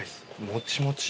もちもち。